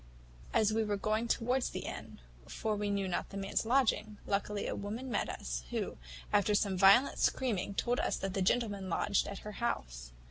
"As we were going towards an inn, for we knew not the man's lodgings, luckily a woman met us, who, after some violent screaming, told us that the gentleman lodged at her house.